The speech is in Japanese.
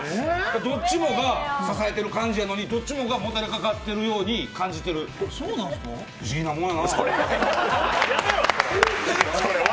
どっちもが支えてる感じやのに、どっちもがもたれかかってるように感じてる、それ笑